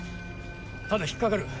ただ引っ掛かる。